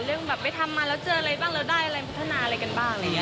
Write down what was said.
เรื่องแบบไปทำงานเราเจออะไรบ้างแล้วได้อะไรพัฒนาอะไรกันบ้าง